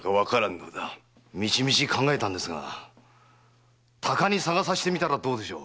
道々考えたんですが鷹に捜させたらどうでしょう？